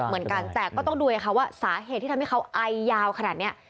เหมือนกันแต่ก็ต้องดูไงคะว่าสาเหตุที่ทำให้เขาไอยาวขนาดนี้